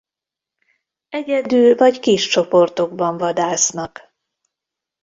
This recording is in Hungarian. Egyedül vagy kis csoportokban vadásznak.